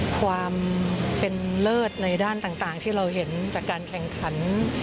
ความเป็นเลิศในด้านต่างที่เราเห็นจากการแข่งขัน